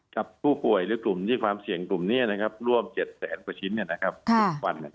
กับผู้ป่วยหรือกลุ่มที่ความเสี่ยงกลุ่มนี้ร่วม๗แสนกว่าชิ้นทุกวัน